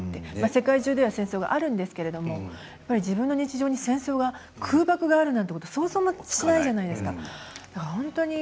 世界中で戦争があるんですけれども自分の日常に戦争、空爆があるなんてこと想像もしないじゃないですか。